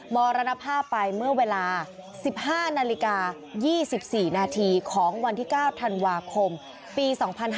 มรณภาพไปเมื่อเวลา๑๕นาฬิกา๒๔นาทีของวันที่๙ธันวาคมปี๒๕๕๙